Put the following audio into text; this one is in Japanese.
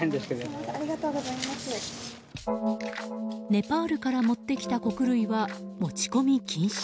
ネパールから持ってきた穀類は持ち込み禁止。